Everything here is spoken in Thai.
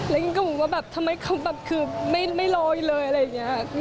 แล้วกินก็บอกว่าทำไมเขาไม่รออยู่เลยอะไรอย่างนี้